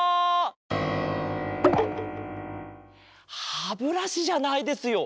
ハブラシじゃないですよ。